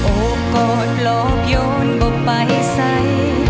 โอ้กอดลอบยนต์บอกไปใส่